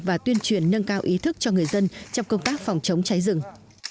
và tuyên truyền nâng cao ý thức cho người dân trong công tác phòng chống cháy rừng